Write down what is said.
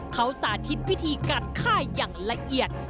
เขาสาธิตวิธีการฆ่าอย่างละเอียด